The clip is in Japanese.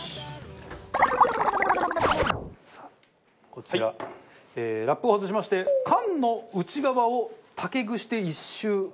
こちらラップを外しまして缶の内側を竹串で１周。